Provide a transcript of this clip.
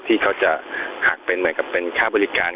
ที่เขาจะหักเป็นเหมือนกับเป็นค่าบริการ